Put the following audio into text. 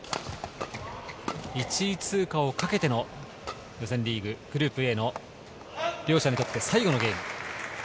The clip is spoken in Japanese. １位通過をかけての予選リーグ・グループＡの両者にとって最後のゲーム。